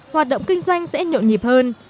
hoạt động kinh doanh sẽ nhộn nhịp hơn